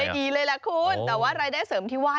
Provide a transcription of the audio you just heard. ถุ่มเทให้เธอทุกอย่าง